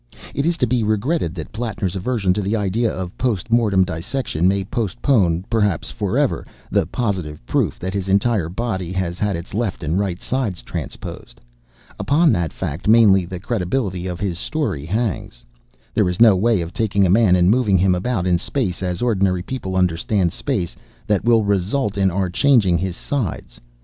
It is to be regretted that Plattner's aversion to the idea of post mortem dissection may postpone, perhaps for ever, the positive proof that his entire body has had its left and right sides transposed. Upon that fact mainly the credibility of his story hangs. There is no way of taking a man and moving him about in space as ordinary people understand space, that will result in our changing his sides.